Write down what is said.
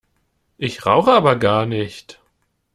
Ich rauche aber gar nicht!